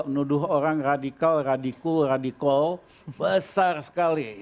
menuduh orang radical radiku radical besar sekali